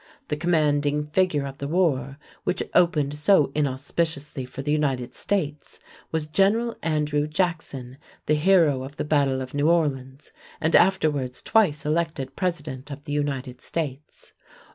The commanding figure of the war, which opened so inauspiciously for the United States, was General Andrew Jackson, the hero of the battle of New Orleans, and afterwards twice elected President of the United States.